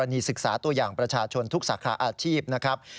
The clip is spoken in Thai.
จากประชาชนทุกสาขาอาชีพนะครับ